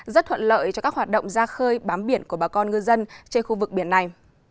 rất thuận lợi cho các hoạt động ra khơi bám biển của bà con ngư dân trên khu vực biển này